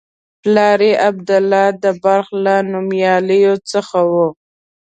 پلار یې عبدالله د بلخ له نومیالیو څخه و.